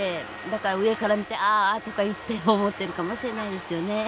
だから上から見て「ああ」とか言って思っているかもしれないですよね。